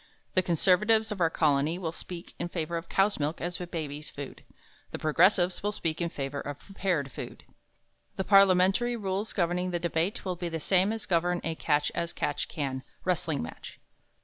The Conservatives of our Colony will speak in favor of cow's milk as a baby's food. The Progressives will speak in favor of prepared food. The parliamentary rules governing the debate will be the same as govern a "catch as catch can" wrestling match.